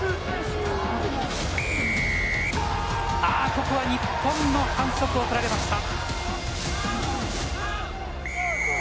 ここは日本の反則をとられました。